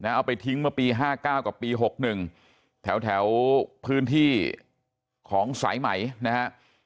เอาไปทิ้งเมื่อปี๕๙กับปี๖๑แถวพื้นที่ของสายไหมนะฮะ